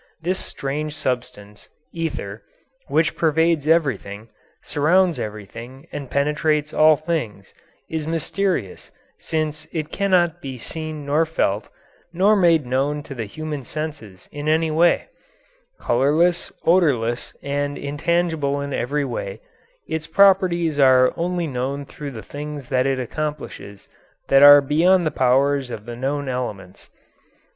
This strange substance, ether, which pervades everything, surrounds everything, and penetrates all things, is mysterious, since it cannot be seen nor felt, nor made known to the human senses in any way; colourless, odourless, and intangible in every way, its properties are only known through the things that it accomplishes that are beyond the powers of the known elements.